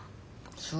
そう。